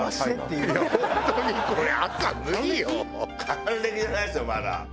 還暦じゃないですよまだ。